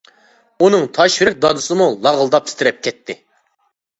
ئۇنىڭ تاش يۈرەك دادىسىمۇ لاغىلداپ تىترەپ كەتتى.